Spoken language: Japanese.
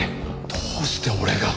どうして俺が？